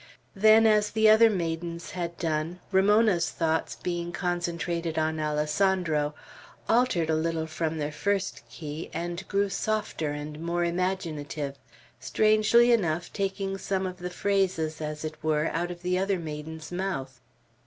Then, as the other maiden's had done, Ramona's thoughts, being concentrated on Alessandro, altered a little from their first key, and grew softer and more imaginative; strangely enough, taking some of the phrases, as it were, out of the other maiden's mouth.